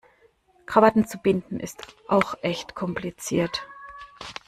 Krawatten zu binden, ist auch echt kompliziert.